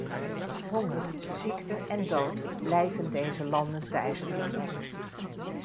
Honger, ziekte en dood blijven deze landen teisteren.